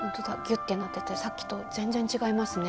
ッてなっててさっきと全然違いますね。